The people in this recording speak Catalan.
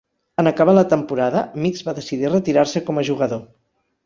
En acabar la temporada, Mix va decidir retirar-se com a jugador.